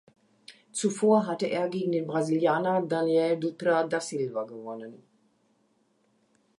Zuvor hatte er gegen den Brasilianer Daniel Dutra da Silva gewonnen.